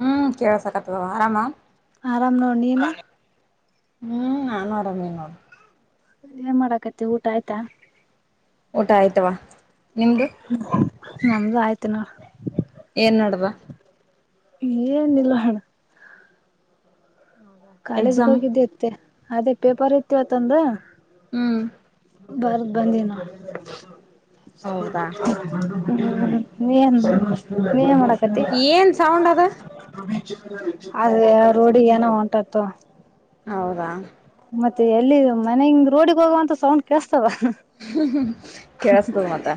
ಹ್ಮ್ ಕೇಳಸಕತ್ತದವ ಆರಾಮ ಆರಾಮ್ ನೋಡ ನೀನ ಹ್ಮ್ ನಾನೋ ಅರಾಮಿನ ನೋಡ ಏನ್ ಮಾಡಾಕತಿ ಊಟ ಆಯ್ತಾ ಊಟ ಆಯ್ತವಾ ನಿಮ್ದು ನಮ್ದು ಆಯ್ತ ನೋಡ ಏನ್ ನಡ್ದದ ಏನಿಲ್ಲ ನೋಡ ಕಾಲೇಜಗೆ ಎಕ್ಸಾಮ್ ಹೋಗಿದ್ದೆ ಇತ್ತ ಅದೇ ಪೇಪರ್ ಇತ ಇವತ್ತೋಂದ ಹ್ಮ್ ಬರ್ದ ಬಂದಿನ ನೋಡ ಹೌದಾ ಹ್ಮ ನೀನ್ ನೀನ್ ಮಾಡ ಏನ್ ಸೌಂಡ್ ಅದು ಅದ ರೋಡಿಗೆ ಏನೋ ಹೊಂಟತ್ತೊ ಹೌದಾ ಮತ್ತೆ ಎಲ್ಲಿ ಮನೆ ಹಿಂಗ ರೋಡಿಗೆ ಹೋಗುವಂತ ಸೌಂಡ್ ಕೇಳ ಕೇಳಸ್ತದ ಮತ್ತ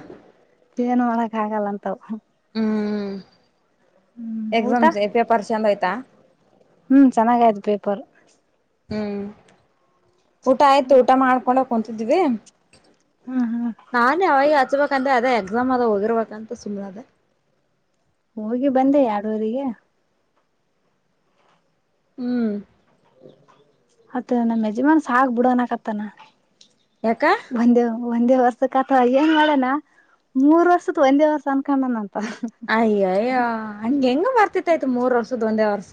ಏನ್ ಮಾಡಕ್ ಆಗಲ್ಲಂತವ ಹ್ಮ್ ಹ್ಮ್ ಊಟ ಎಕ್ಸಾಮ್ಸ್ ಪೇಪರ್ ಚೆಂದ ಹೋಯ್ತಾ ಹ್ಮ್ ಚೆನ್ನಾಗ ಆಯ್ತ ಪೇಪರ್ ಹ್ಮ್ ಊಟ ಆಯ್ತು ಊಟ ಮಾಡ್ಕೊಂಡ ಕುಂತಿದ್ದಿವಿ ಹ್ಮ್ ಹ್ಮ್ ನಾನೇ ಅವಾಗ ಹಚ್ಬೇಕಂದೆ ಅದೇ ಎಕ್ಸಾಮ್ ಅದ ಹೋಗಿರ್ಬೇಕಂತ ಸುಮ್ಮ್ನೆ ಅದ ಹೋಗಿ ಬಂದೆ ಎರಡುವರಿಗೆ ಹ್ಮ್ ಅತ್ತ ನಮ್ಮ ಯಜಮಾನ ಸಾಕ್ ಬುಡ ಅನ್ನಕತ್ತಾನ ಯಾಕಾ ಒಂದೇ ವರ್ಷದ ಕಥಾ ಅತ ಏನ್ ಮಾಡನಾ ಮೂರ್ ವರ್ಷದ ಒಂದೇ ವರ್ಷ ಅನ್ಕೊಂಡನಂತ ಅಯ್ಯಯ್ಯ ಹಂಗಗೆ ಹೆಂಗ ಬರ್ತಿತ್ಯತ ಮೂರ್ ವರ್ಷದ ಒಂದೇ ವರ್ಷ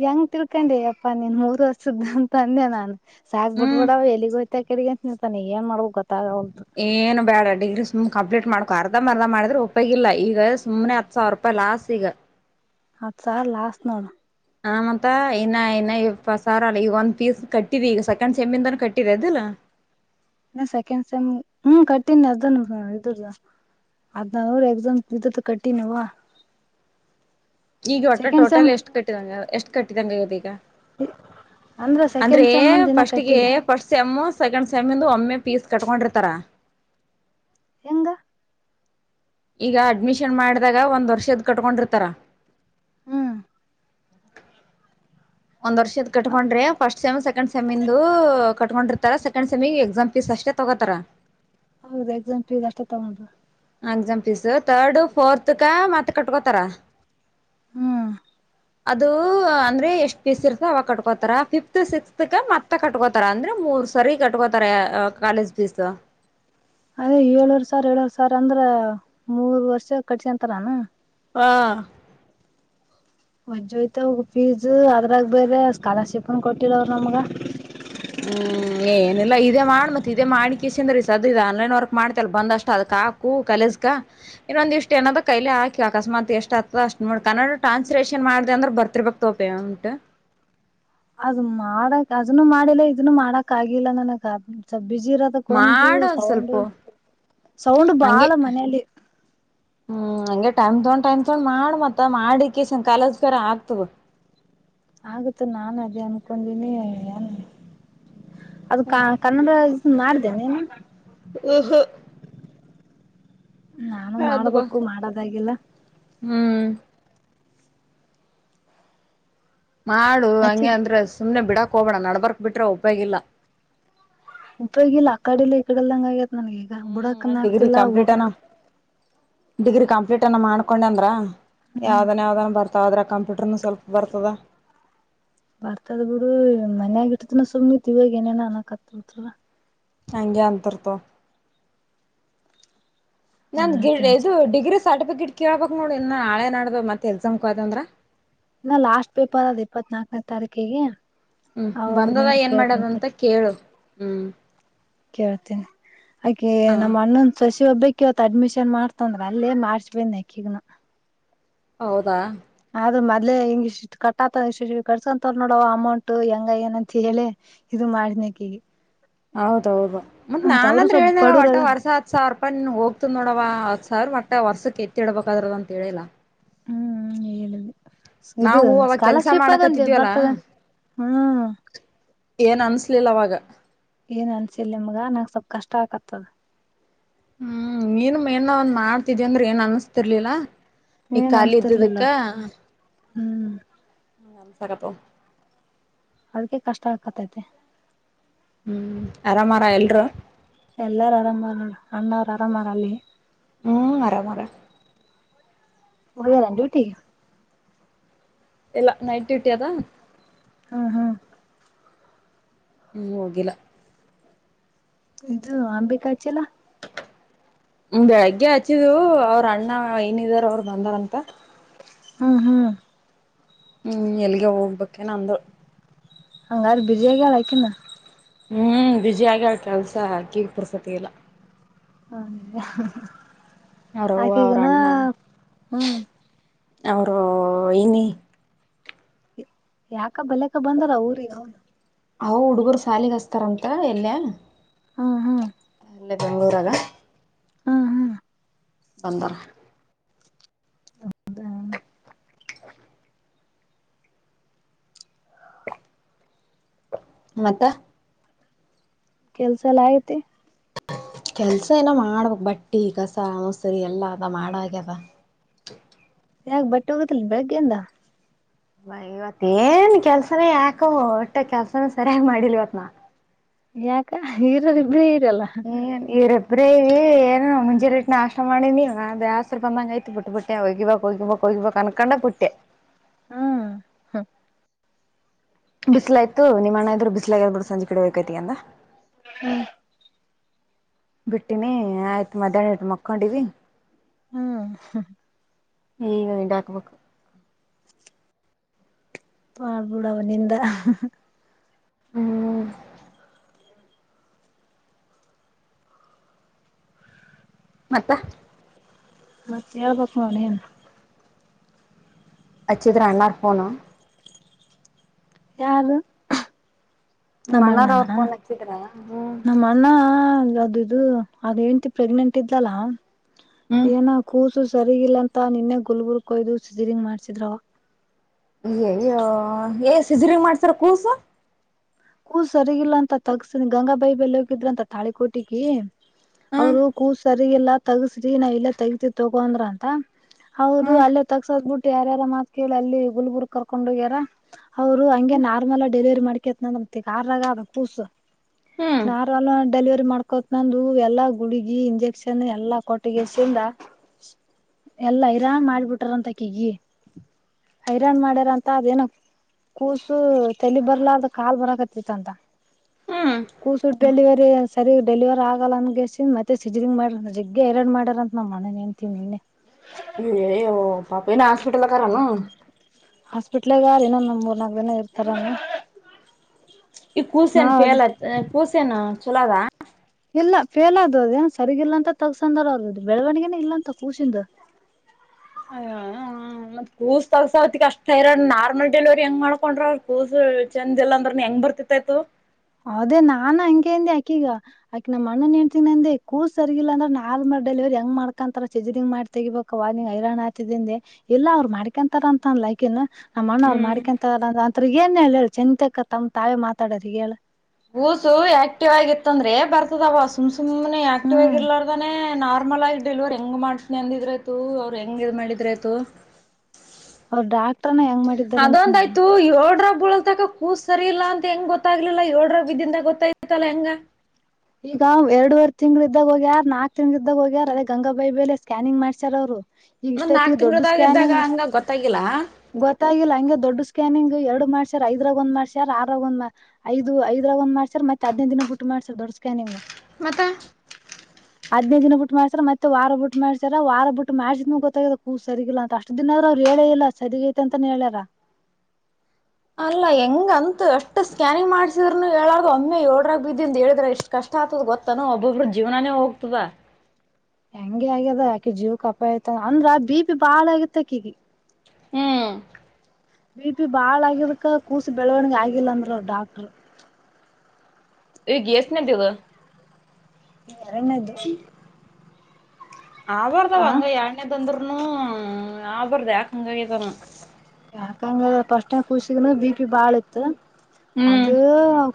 ಹೆಂಗ್ ತಿಳ್ಕೊಂಡಿ ಅಪ್ಪಾ ನೀನ್ ಮೂರ್ ವರ್ಷದ್ದ ಅಂತ ಅಂದೆ ನಾನ್ ಸಾಕ ಹ್ಮ್ ಬಿಟ್ಬಿಡವ ಎಲ್ಲಿಗೋಯ್ತ ಕೆಗ ಅಂತ ನಿಂತಾನ ಈಗ ಏನ್ ಮಾಡ್ಬೇಕು ಗೊತ್ತ ಏನು ಬೇಡ ಡಿಗ್ರಸ್ ಕಂಪ್ಲೀಟ್ ಮಾಡ್ಕೊ ಅರ್ಧ ಮರ್ಧ ಮಾಡಿದ್ರೆ ಉಪಗಿಲ್ಲಾ ಈಗ ಸುಮನೆ ಹತ್ ಸಾವರ ರೂಪಾಯಿ ಲಾಸ್ ಈಗ ಹತ್ ಸಾವಿರ ಲಾಸ್ ನೋಡ ಆ ಮತ್ತ ಇನ್ನ ಇನ್ನ ಇಪ್ಪತ್ತು ಸಾವಿರ ಈಗ ಒಂದ್ ಪೀಸ್ ಕಟ್ಟಿದ ಈಗ ಸೆಕೆಂಡ್ ಸೆಮ್ ಕಟ್ಟಿದೆ ಅದಿಲ್ಲ ಸೆಕೆಂಡ್ ಸೆಮ್ ಹ್ಮ್ ಕಟ್ಟಿನೆದ್ದುನುವೆ ಅದ್ ನ ನ್ರ ಎಕ್ಸಾಮ್ ಬಿದ್ದತ್ತು ಕಟ್ಟಿನವ ಈಗ ಒಟ್ಟು ಟೋಟಲ್ ಎಷ್ಟು ಕಟ್ಟಿದಂಗ ಎಷ್ಟು ಕಟ್ಟಿದಂಗಗೆ ಇಗದ ಈಗ ಅಂದ್ರ ಅಂದ್ರೆ ಸೆಕೆಂಡ್ ಸೆಮ್ ಒಂದ್ ಇನ್ನ ಪಫಸ್ಟ್ಿಗೆ ಕಟ್ಟಿಲ್ಲ ಪಫಸ್ಟ್ ಸೆಮ್ ಸೆಕಂಡ್ ಸೆಮ್ ಒಮ್ಮೆ ಪೀಸ್ ಕಟ್ಕೊಂಡಿರ್ತಾರ ಹೆಂಗ ಈಗ ಅಡ್ಮಿಷನ್ ಮಾಡಿದಾಗ ಒಂದ್ ವರ್ಷದ ಕಟ್ಕೊಂಡಿರ್ತಾರ ಹ್ಮ್ ಒಂದ್ ವರ್ಷದ ಕಟ್ಕೊಂಡ್ರಿ ಫಸ್ಟ್ ಸೆಮ್ ಸೆಕೆಂಡ್ ಸೆಮ ಇಂದು ಕಟ್ಕೊಂಡ್ರಿ ರ ಸೆಕೆಂಡ್ ಸೆಮಿ ಎಕ್ಸಾಮ್ ಫೀಸ್ ಅಷ್ಟೇ ತಗೋತರ ಹೌದು ಎಕ್ಸಾಮ್ ಫೀಸ್ ಅಷ್ಟ ತಗೊಂಡುದು ಎಕ್ಸಾಮ್ ಫೀಸ್ ತರಡು ಫೋರ್ಥ್ಗಾ ಅವರೇ ಕಟ್ಕತ್ತಾರ್ ಹ್ಮ್ ಅದು ಅಂದ್ರೆ ಎಷ್ಟ್ ಫೀಸ್ ಇರ್ತ ಅವಾಗ ಕಟ್ಕೋತಾರ ಫಿಫತ್ ಸಿಕ್ತ್ಗೆ ಮತ್ತ ಕಟ್ಕೋತಾರ ಅಂದ್ರೆ ಮೂರ್ ಸರಿ ಕಟ್ಕೋತಾರೆ ಕಾಲೇಜ್ ಫೀಸ್ ಅದೇ ಏಳೂರ್ ಸಾವಿರ ಏಳರ್ ಸಾವಿರ ಅಂದ್ರ ಮೂರ್ ವರ್ಷ ಕಟ್ಸ ಅಂತ ನಾನು ಹಾ ಒಜ್ೋಯ್ತ ಹ ಫೀಸ್ ಅದ್ರಾಗ ಬೇರೆ ಸ್ಕಾಲರ್ಶಿಪ್ನ್ ಕೊಟ್ಟಿಲ್ಲ ಅವರು ನಮಗ ಹ್ಮ್ ಏನಿಲ್ಲ ಇದೇ ಮಾಡ್ ಮತ್ ಇದೇ ಮಾಡಿಿಕ ಇಷ್ಟ ಅಂದ್ರೀ ಸದ ಇ ಆನ್ಲೈನ್ ವರ್ಕ್ ಮಾಡ್ತಲ್ಲ ಬಂದಷ್ಟ ಅದಕ್ ಹಾಕು ಕಲ ಇನ್ನೊಂದ ಇಷ್ಟ ಏನದ್ ಕೈಲಿ ಹಾಿ ಅಕಮಾತ್ ಎಷ್ಟು ಆತದ ಅಷ್ಟ ನೋಡಿ ಕನ್ನಡ ಟ್ರಾನ್ಸ್ಲೇಷನ್ ಮಾಡ್ದ ಅ್ರ ಬರ್ತಿರ್ಬೇಕಕ್ತೋಪ ಉಂಟ್ ಅದು ಮಾಡಕ್ ಅದನು ಮಾಡಿಲ್ಲ ಇದನ್ನು ಮಾಡಕ್ ಆಗಿಲ್ಲ ನನಗ್ ಬಿಜಿ ಇರತಕ್ಕಂತು ಮಾಡ ಒಂದ್ ಸೌಂಡ್ ಸ್ವಲ್ಪ ಸೌಂಡ್ ಹಂಗೆ ಬಾಳ ಮನೇಲಿ ಹ್ಮ್ ಹಂಗೆ ಟೈಮ್ ತಗೊಂಡ್ ಟೈಮ್ ತಗೊಂಡ್ ಮಾಡ್ ಮತ್ತ ಮಾಡಿಕ ಕಾಲಜ್ಕರ ಆಗ್ತವ ಆಗುತ್ತ ನಾ ಅದೇ ಅನ್ಕೊಂಡೀನಿ ನ್ ಅದು ಕನ್ನಡ ಮಾಡ್ದೇನೆನು ಊಹ ನಾನು ಮಾಡ್ಬೇಕು ಮಾಡದಾಗಿಲ್ಲ ಹ್ಮ್ ನಾು ಹಚ್ಚಿ ಹಂಗೆ ಅಂದ್ರೆ ಸುಮ್ನೆ ಬಿಡಾಕ್ ಹೋಗಬೇಡ ನಡ್ಬರ್ಕ್ ಬಿಟ್ರೆ ಒಪ್ಪ್ಯಗಿಲ್ಲ ಉಪಗಿಲ್ಲ ಆ ಕಡ ಇಲ್ಲ ಈ ಕಡೆಲ್ಲ ಹಂಗ ಆಗ್ಯತ್ ನನ್ಗ ಈಗ ಹ್ಮ್ ಬುಡಕನ್ ಡಿಗ್ರಿ ಆಗ್ತಿಲ್ಲ ಕಂಪ್ಲೀಟ್ ಅನ ಹೋಗಕ್ ಡಿಗ್ರಿ ಕಂಪ್ಲೀಟ್ ಅನ್ನ ಮಾಡ್ಕೊಂಡ ಅಂದ್ರ ಯಾವ್ದನ್ ಯಾವ್ದನ್ ಬರ್ತ ಮತ್ತುಾದ್ರೆ ಕಂಪ್ಯೂಟರ್ನು ಸ್ವಲ್ಪ ಬರ್ತದೆ ಬರ್ತದ ಬಿಡು ಮನ್ಯ ಆಗಟ್ಟತ್ನ ಸುಮ್ನೆ ಇವಾಗ ಏನೇನ ಅನಕ್ತ್ ಬಿತ ಹಂಗೆ ಅಂತರ್ತೋ ನನ್ ಒಳ್ಳೆ ಗ ಇದು ಟೆನ್ಷನ್ ಡಿಗ್ರಿ ಸ್ಟಿ ಗಿಟ್ ಕೇಳ್ಬೇಕಕ್ ನೋಡಿ ಇನ್ನು ನಾಳೆ ನಾಡ್ದ ಮತ್ತೆ ಎಕ್ಸಾಮ್ಯತಂದ್ರ ಇಲ್ಲ ಲಾಸ್ಟ್ ಪೇಪರ್ ಅದು್ ಇಪ್ಪತ್ ನಾಕನೇ ತಾರೀಕಿಗೆ ಹ್ಮ್ ಬಂದದ ಅವಾಗನ ಏನ್ ಕೇಳ್ತಂತ ಮಾಡದಂತ ಕೇಳು ಹ್ಮ್ ಕೇಳ್ತೇನಿ ಹಾಗೆ ಹಾ ನಮ್ಮ ಅಣ್ಣೊಂದ ಸಸ ಒಬ್ಬಕ್ ಇತ್ತು ಅಡ್ಮಿಷನ್ ಮಾಡ್ತಂದ್ರ ಅಲ್ಲೇ ಮಾಡ್ಚ್ ಬನ್ ಯಕಗನ ಹೌದಾ ಆದದ್ರ ಮೊದ್ಲೆ ಹಿಂಗ ಇಷ್ಟ ಕಟ್ಟಾ ಇಷ್ಟ ಕಟ್ಸಕಂತ ನೋಡ ಅಮೌಂಟ್ ಹೆಂಗ ಏನಂತ ಹೇಳಿ ಇ ಮಾರ ನಕಿ ಹೌದೌದು ಮತ್ತತ್ ನಾನ್ಂದ್ರ ಹೇಳನ ಬಡುರ್ ಒಟ್ಟ ಅದಾರ ವರ್ಷ ಹತ್ ಸಾವರ ರೂಪಾಯಿ ಹ್ತ್ ನೋಡವ ಹತ್ ಸಾವಿರ ಒಟ್ಟ ವರ್ಕ್ಕೆತ್ತ ಡಬೇಕಾದ್ರದ ಅಂತ ಹೇಳಿಲ್ಲ ಹ್ಮ್ ಎಳುದು ಇದು ನಾವು ಅವಾಗ ಕೆಲ್ಸ ಸ್ಕಾಲರ್ಶಿಪ್ ಆಗಂೆ ಮಾಡಕತ್ತಿದ್ವಲ್ಲಾ ಬರ್ತದೆ ಹ್ಮ್ ಏನ್ ಅನ್ಸ್ಲಿಲ್ಲ ಅವವಾಗ ಏನ್ ಅನ್ಸಿಲ್ಲ ನಿಮ್ಗ ನಂಂಗ ಸ್ವಲ್ಪ್ ಕಷ್ಟ ಆಕತ್ತದ ಹ್ಮ್ ನೀನು ಮೇನ್ ಒಂದ್ ಮಾಡ್ತಿದಿ ಅಂದ್ರೆ ಏನ್ ಅನ್ಸ್ತಿರ್ಲಿಲ್ಲ ಈ ಏನ್ ಕಲಿಿ ಅನ್ಸ್ತಿರ್ಲಿಲ್ಲ ಇದ್ದದಕ್ಕ ಹ್ಮ್ ಹ ಗಸಾಗಪ್ಪ ಅದಕ್ಕೆ ಕಷ್ಟ ಆಕತ್ತೈತೆ ಹ್ಮ್ ಆರಾಮಾರ ಎಲ್ರು ಎಲ್ಲಾರ ಆರಾಮ್ ಮಾಡಾರ ನೋರು ಅಣ್ಣವ್ರು ಆರಾಮ್ಾರಲ್ಲಿ ಹ್ಮ್ ಮರ ಮರ ಹದರ ಡ್ಯೂಟಿ ಎಲ್ಲ ನೈಟ್ ಡ್ಯೂಟಿ ಅದಾ ಹ್ಮ ಹಾ ಹ್ಮ್ ಹೋಗಿಲ್ಲ ಇದು ಅಂಬಿಕಚಲಾ ಬೆಳಿಗ್ಗೆ ಹಚ್ಚಿದವು ಅವ್ರ ಅಣ್ಣ ಏನಿದಾರ ಅವರು ಬಂದಾರಂತ ಹ್ಮ್ ಹ್ಮ್ ಹ್ಮ್ ಎಲ್ಗೆ ಹೋಗ್ಬೇಕೇ ನಂದು ಹಂಗಾರ ಬಿಜಿ ಆಗಲ್ಲ ಆಯ್ಕಿನ ಹ್ಮ್ ಬಿಜಿಿಯಾಗ ಕೆಲ್ಸಕೀಗ ಪುರ್ಸತಿ ಇಲ್ಲ ಹ ಅವ್ರವ್ವ ಆಕ ಅವ್ರ ಈಗನಾ ಅಣ್ಣ ಹ್ಮ್ ಅವರು ಏನಿ ಯಾಕ ಬಲೆಕ ಬಂದಾರ ಅವಊರಿಗೆ ಅವನು ಅವ ಹುಡುಗರು ಸಾಲಿಗ ಹಸ್ತಾರಂತ ಎಲ್ಲಯ ಹಾ ಹಾ ಅೆ ಬೆಂ್ಗಳೂರಲ್ಲ ಬಂದರ ಮತ್ತ ಕೆಲ್ಸ ಎಲ್ಲ ಆಗತಿ ಕೆಲ್ಸ ಏನ ಮಾಡ್ಬೇಕಕ್ ಬಟ್ಟಿ ಕಸ ಮೊಸರಿ ಎಲ್ಲಾ ಅದ ಮಾಡಾಗ್ಯದ ಹ ಯಾಕ ಬಟ್ಟೆ ಹೋಗತ್ತಲ್ ಬೆಳಗ್ಗೆಂದ ಬ ಇವತ್ ಏನ್ ಕೆಲ್ಸನೇ ಯಾಕ ಒಟ್ಟ ಕೆಲ್ಸನ ಸರಿಯಾಗಿ ಮಾಡಿಲ್ ಇವತ್ ನಾ ಯಾಕ ಹರ ಇಬ್್ರ ಹ್ಮ ಇರು ಬ್ರ ಇ ಏನು ಮುಂಜೆ ಇಟ್ಟ ಆಶ್ರ ಮಾಡಿ ನೀವ ದೇಸ್ರು ಬಂದಂಗ ಐತ್ು ಬಿಟ್ಬ ಬಿಟ್ಟೆ ಹೋಗಿಬೇಕಕ್ ಹೋಗಿಬಕ್ ಹ ಕಣಕೊಂಡ ಪುಟ್ಟ್ಯ ಹ್ಮ ಹ ಬಿಸ್ಲಾಯ್ತು ನಿಮ್ಮ ಅಣ್ಣ ಇದ್ ಬ್ಲ ಆಬಟ್ಟು ಸಂಜೆ ಕಡೆ ಹೋಗೇಕಾಯ್ತಿ ಈಗ ಹ್ಮ್ ಬಿಟ್ಟಿನಿ ಆಯ್ತು ಮಧ್ಯಾಹ್ನ ಇಟ್ಟು ಮಕ್ಕೊಂಡಿದಿವಿ ಹ್ಮ್ ಹಏ ವಂಡಾಕ್ಬೇಕಕು ಮಾಡಬಿಡ ಅವನಂದ ಹ್ಮ್ ಮತ್ತ ಮತ್ತೆ ಹೇಳ್ಬೇಕವ ನೀನು ಹಚ್ಚಿದ್ರಾ ಅಣ್ಣ ಫೋನ್ ಯಾರು ನಿಮ್ಮ ನಮ್ಮ ಅಣ್ಣಾರ ಅಣ್ಣನ ಅವ್ರ ಫೋನ್ ಹಚ್ಚಿದ್ರ ಹ್ಮ್ ನಮ್ಮ ಅಣ್ಣ ಇದು ಅದು ಹೆಂಡ್ತಿ ಪ್ರೆಗ್ನೆಂಟ್ ಇದ್ದಲ್ಲ ಹ್ಮ್ ಏನ ಕೂಸು ಸರಿಗಿಲ್ಲ ಅಂತ ನಿನ್ನೆ ಗುಲ್ಬುರ್ಕೊಯ್ದು ಸಿಜರಿಂಗ್ ಮಾಡ್ಸಿದ್ರವ ಏ ಸಜರಿಂಗ್ ಮಾಡ್ಸಾರ ಕೂಸು ಕೂಸು ಸರಿಗಿಲ್ಲ ಅಂತ ತಗ್ಸ್ ಗಂಗಾಬಾಯಿ ಬೆಲೆ ಹೋಗಿದ್ರ ಅಂತ ತಾಳಿ ಕೋಟಿಗೆ ಹ್ಮ್ ಅವರು ಕೂಸ್ ಸರಿಗಿಲ್ಲ ತಗಸ್ರಿ ನಾವ ಇಲ್ಲ ತಗತಿವಿ ತಗೋಂದ್ರ ಅಂತ ಹೌದು ಹ್ಮ್ ಅಲ್ಲೇ ತಕ್ಸದ್ ಬಿಟ್ಟು ಯಾರ್ಯಾರ ಮಾತ್ ಕೇಳಿ ಅಲ್ಲಿ ಗುಲ್ಬುರ್ ಕರ್ಕೊಂಡ್ ಹೋಗ್ಯಾರ ಅವರು ಹಂಗೆ ನಾರ್ಮಲ್ ಡೆಲಿವರಿ ಮಾಡ್ಕತ್ನಂದತ್ತ ಕಾರ್ನ್ಯಾಗ ಅದ ಕೂಸು ಹ್ಮ್ ನಾರ ಅಲ್ಲ ಡೆಲಿವರಿ ಮಾಡ್ಕೋತ್ ನಂದು ಎಲ್ಲಾ ಗುಳಗಿ ಇಂಜೆಕ್ಷನ್ ಎಲ್ಲಾ ಕೊಟ್ಟಿಗೆಸಿಂದ ಎಲ್ಲ ಇರಾನ್ ಮಾಡ್ಬಿಟಾರಂತ ಆಕೆಗೆ ಹೈರಾನ್ ಮಾಡ್ಯಾರ ಅಂತ ಅದೇನ ಕೂಸು ತಲಿ ಬರ್ಲಾರದ ಕಾಲ್ ಬರಕ ತ ಹ್ಮ್ ಕೂಸುಟ್ಟಲ್ಲಿ ಸರಿ ಡೆಲಿವರ್ ಆಗಲ್ಲ ಅನ್ಗೆಸ ಮತ್ತೆ ಸಿಜಂಗ ಮಾಡ ಜಿಗ್ಗೆ ಎರಡು ಮಾಡಾರ ಅಂತ ನ ನಮ್ಮಣ್ಣನ್ ಹೆಂಡ್ತಿಯಾಗ ನಿನ್ನೆ [inaudible] ಹೋ ಪಾಪ ಹಾಸ್ಪಿಟಲಗಾರ ನ್ ಹಾಸ್ಪಿಟ್ಲಗ ಇನ್ನೊಂದ್ ಮೂರ್ನಾಕು ದಿನ ಇರ್ತಾರ ಈ ಕೂಸನ್ ಫೇಲ್ ಕೂಸನ್ ಚಲೋದ ಇಲ್ಲ ಫೇಲ್ ಆದದು ಅದ ಏನ್ ಸರಿಗಿಲ್ಲ ಅಂತ ತಗಸಂದಾರ ಆಗದು ಬೆಳವಣಗೆನ ಇಲ್ಲ ಅಂತ ಕೂಸಿಂದು ಹ [inaudible] ಕೂಸ ತರ್ಸಾವತಿಕ್ ಅಷ್ಟ ಇರ ನಾರ್ಮಲ್ ಡೆಲಿವರಿ ಹೆಂಗ್ ಮಾಡ್ಕೊಂಡ್ರ ಕೂಸು ಚಂದ ಇಲ್ಲ ಅಂದ್ರ ಹೆಂಗ್ ಬರ್ತಿತ್ ತು [unintelligible] ಹೌದೇ ನಾನು ಹಂಗೆಂದೆ ಆಕೀಗ ಆಕಿ ನಮ್ಮಣ್ಣನ್ ಹೆಂಡ್ತಿನೇ ನಂದೆ ಕೂಸ ಸರಿಗಿಲ್ಲ ಅಂದ್ರ ನಾಲ್ ಡೆಲಿವರಿ ಹಂಗ್ ಮಾಡ್ಕೊಂತಾರ ಸಿಸರಿನ್ ಮಾಡಿ ತೆಗಬೇಕುವ ಐರಾಣ ಹಾತಿದ ಎಲ್ಲ ಅವ್ರು ಮಾಡ್ಕೊಂತಾರ ಅಂತಂದ ಲೈಕನ್ ನಮ್ಮ ಅಣ್ಣ ಅವ್ರು ಹ್ಮ್ ಮಾಡ್ಕಂತ ಅತ್ ಏನ್ ಹೇಳ ಹೇಳಿ ಚಿಂತೆಕ್ಕ ತಮ್ ತಾವೇ ಮಾತಾಡ್ರ ಹೇಳ ಕೂಸು ಆಕ್ಟಿವ್ ಆಗಿತ್ತ ಅಂದ್ರೆ ಬರ್ತದವ ಸುಮ್ ಸುಮ್ನೆ ಆಕ್ಟಿವ್ ಆಗಿ ಹ್ಮ್ ಇರ್ಲಾರ್ದಾನೇ ನಾರ್ ನಾರ್ಮಲ್ ಆಗಿ ಡೆಲ್ವರಿ ಹೆಂಗ್ ಮಾಡ್ತನಿ ಅಂದಿದ್ರ ಆಯತು ಅವ್ರು ಹೆಂಗ ಇದ್ ಮಾಡಿದ್ರ ಆಯ್ತು ಹ ಡಾಕ್ ಅದೊಂದಾಯ್ತು ಏಳರ ಲ್ತಕ ಕೂಸ್ ಸರಿ ಇಲ್ಲಾ ಅಂತ ಹೆಂಗ ಗೊತ್ತಾಗ್ಲಿಲ್ಲ ಏಳರ ಬಿದಿಂದ ಗೊತ್ತಾಯ್ತ್ತಲ್ಲ ಹೆಂಗ ಈಗ ಎರಡವರೆ ತಿಂಗ್ಳ ಇದ್ದಾಗ ಹೋಗ್ಯಾರ ನಾಕ್ ತಿಂಗ್ಳ್ದಾಗ ಹೋಗ್ಯಾರ ಅದೇ ಗಂಗಾಬಾಯಿ ಬೇಲೆ ಸ್ಕ್ಯಾನಿಂಗ್ ಮಾಡ್ಸ್ಯಾರ ಅವ್ರು ಈಗ ಮತ್ ಇಷ್ಟಐತಿ ನಾಕ್ ದೊಡ್ ತಿಂಗಳದಾಗ ಇದ್ದಾಗ ಸ್ಕ್ಯಾನಿಂಗ್ ಹಂಗ ಗೊತ್ತಾಗಿಲ್ಲ ಗೊತ್ತಾಗಿಲ್ಲ ಹಂಗೆ ದೊಡ್ಡ ಸ್ಕ್ಯಾನಿಂಗ್ ಎರಡು ಮಾಡ್ಸರ್ ಐದ್ರಾಗ ಒಂದ್ ಮಾಡಸಾರ್ ಆರಾಗ ಒಂದ ಐದುಐದಾಗ ಒಂದ್ ಮಾಡಸರ್ ಮತ್ತ ಹದಿನ ದಿನ ಬಿಟ್ಟ ಮಾಡ್ಸರ್ ದೊಡ್ ಕ ನಿಂಗ ಮತ್ತ ಹ ಹದ್ನೈ ದಿನ ಬಿಟ್ಟಟ್ ಮಾಡ್ತಾರ ಮತ್ತ ವಾರ ಬಿಟ್ಟು ಮಾಡ್ತಾರ ಬಿಟ್ಟ ಮಾಡಸಿದ್ಮ್ ಗೊತ್ತದ ಕೂಸ್ ಸರಿಗಿಲ್ಲ ಅಷ್ಟ ದಿನ ಆದ್ರ್ ಹೇಳೇ ಇಲ್ಲ ಸರಿಗೈತೆ ಅಂತಾನ ಹೇಳ್ಯಾರ ಅಲ್ಲಾ ಹೆಂಗಂತು ಅಷ್ಟ್ ಸ್ಕ್ಯಾನಿಂಗ್ ಮಾಡ್ಸಿದ್ನು ಹೇಳಾರ್ದು ಒಮ್ಮೆ ಏಡ್ರಾಗ ಬಿದ್ದಿ ಅಂತ ಹೇಳಿದ್ರ ಎಷ್ಟ್ ಕಷ್ಟ ಗಾತದ ಗೊತ್ತಾನ ಒಬ್ಬೊಬ್ಬ ಜೀವನೇ ಹೋಗ್ತದ ಹೆಂಗೆ ಆಗ್ಯದ ಯಾಕೆ ಜೀವ್ಕ್ ಅಪಾಯತ ಅಂದ್ರ ಬಿಪಿ ಬಾಳ ಆಗತ್ ಅಕೀಗೆ ಹ್ಮ್ ಬಿ ಪಿ ಬಾಳ ಆಗಿದಕ ಕೂಸಿ ಬೆಳವಣಗ ಆಗಿಲ್ಲಂದರ ಅವ ಡಾಕ್ಟ್ರು ಈಗ ಎಷ್ಟನೆದು ಎರಡನೆದು ಆವಾರದ ಅಂಗ ಎರಢ ತಂದರನು ಆಬಾರದ ಯಾಕಂಗ್ ಆಯ್ತು ಯಾಕಂಗ ಪಫಸ್ಟ್ ಖುಷಿಗನು ಬಿ ಪಿ ಬಾಳ ಇತ್ತು ಹ್ಮ್ ಅದು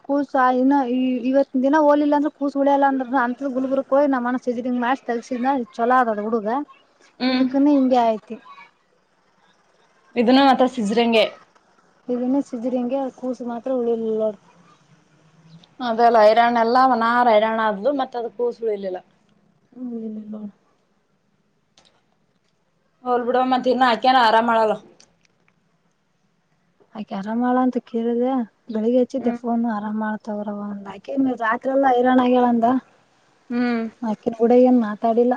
ಕೂಸ ಇನ್ನು ಈ ಇವತ್ತ ದಿನ ಹೋಲಿಲ್ಲ ಅಂದ್ರೆ ಕೂಸುಳ್ಯಲ್ಲ ಅಂದ್ರ ಅಂತ ಗುಗು ಹೋಿ ನಮ್ಮನಸ್ರಿಂಗ ಮ್ಯಾ್ ತಲ್ಸಿದ ಚೊಲೋ ಅದದ ಹುಡುಗ ಹ್ಮ್ ಇದಕ್ಕನ್ನ ಹಿಂಗಗೆ ಐತಿ ವಿಧನ ಅತ ಸಿಜ್ರಗೆ ಸಿದ್ರಿಂಂಗಗೆ ಅವ ಕೂಸು ಮಾತ್ರ ಉಳಿಯಲಲ್ಲಡ್ ಅದೆಲ್ಲ ಹೈರಾಣ ಎಲ್ಲಾ ಒನಾರು ಹೈರಾಣ ಆದ್ಲು ಮತ್ತೆ ಅದ ಕೂಸಳು ಇಲ್ಲಿಲ್ಲ ಹ್ಮ ಇಲ್ಲಲ್ಲೋಣ ಹಳ್ ಬಿಡ ಮ ತಿ ನ ಹಾಕಾನ ಆರಾಮಾಮಳಲ್ಲ ಆಯಕೆ ಆರಾಮ್ ಮಾಡ ಅಂತ ಕೇಳಿದೆ ಬೆಳಿಗ್ಗೆ ಹಚ್ಚಿದ್ದೆ ಹ್ಮ್ ಫೋನು ಆರಾಮ್ ಮಾಡ ತಗ್ರವ ಆಕೆನ್ ಮ ರಾತ್ರಿ ಎಲ್ಲ ಹೈರಾಣ ಹೇಳಂದ ಹ್ಮ್ ಆಕಿನ ಗುಡಗಏನ್ ತಡಲ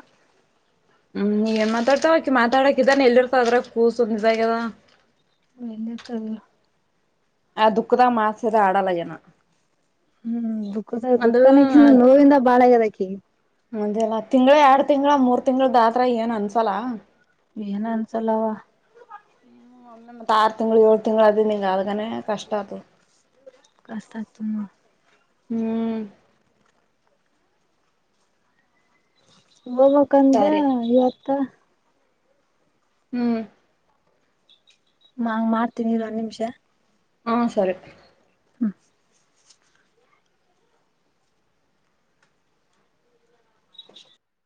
ಹ್ಮ್ ನೀ ಏನ್ ಮಾತಾಡ್ತಾವಕಿ ಮಾತಾಡಕ್ ಇದಾನ ಎಲ್ಲಿ ಇರ್ತದ್ರ ಕೂಸುಮ ಇದಾಗ್ಯದ ಎಲ್ಲ ತದ ಆ ದುಃಖದಾ ಮಾಸದ ಆಡಲ್ಲ ಜನ ಹ್ಮ್ ದುಃಖದ ದುಃಖನ ನೋವಿಂದ ಬಾಳಗದಾಕ ಮದಲ್ಲಾ ತಿಂಗಗಳ ಎರಡ್ ತಿಂಗಗಳ ಮೂರ್ ತಿಂಗಗಳದಾತ್ರ ಏನ್ ಅನ್ಸಲ್ಲ ಏನ ಅನ್ಸಲವಾ ಹ್ಮ್ ಒಂದೆ ಮತ್ತ ಆರು ತಿಂಗಳು ಏಳ ತಿಂಗಗಳು ಅದ ನಿಂಗ ಅದಗಾನೇ ಕಷ್ಟ ಅತ ಕಷ್ಟತ ತುಮ್ಮ ಹ್ಮ್ ಹೋಗ್ಕ್ಂದ ಸರಿ ಇವತ್ತ ಹ್ಮ್ ಹಂಗ್ ಮಾಡ್ತೀನಿ ಇ ಒಂದ್ ನಿಮಿಷ ಹಾ ಸರಿ ಹ್ಮ